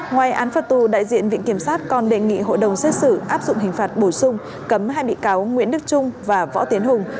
ngoài án phạt tù đại diện viện kiểm sát còn đề nghị hội đồng xét xử áp dụng hình phạt bổ sung cấm hai bị cáo nguyễn đức trung và võ tiến hùng